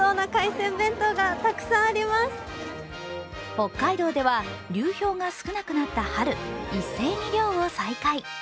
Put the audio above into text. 北海道では流氷が少なくなった春、一斉に漁を再開。